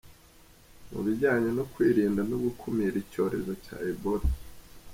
mu bijyanye no kwirinda no gukumira icyorezo cya Ebola.